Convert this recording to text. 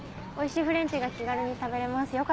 おいしいフレンチが気軽に食べれます。